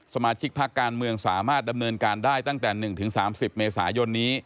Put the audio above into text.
สมาชิกพักการเมืองสามารถดำเนินการได้ตั้งแต่๑๓๐เมษายนนี้